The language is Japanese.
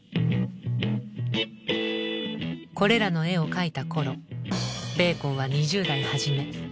これらの絵を描いた頃ベーコンは２０代初め。